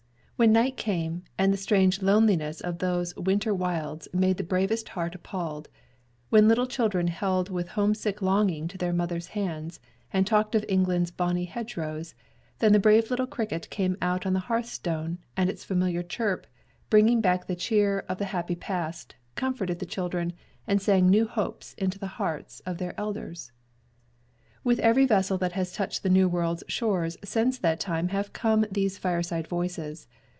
When night came, and the strange loneliness of those winter wilds made the bravest heart appalled; when little children held with homesick longing to their mother's hands, and talked of England's bonny hedgerows, then the brave little cricket came out on the hearthstone; and its familiar chirp, bringing back the cheer of the happy past, comforted the children, and sang new hopes into the hearts of their elders. With every vessel that has touched the New World's shores since that time have come these fireside voices.